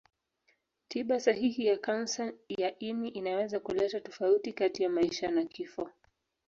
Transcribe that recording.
Tiba sahihi ya kansa ya ini inaweza kuleta tofauti kati ya maisha na kifo.